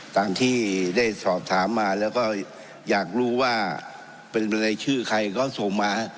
ตามที่ได้สอบถามมาแล้วก็อยากรู้ว่าเป็นรายชื่อใครเขาส่งมา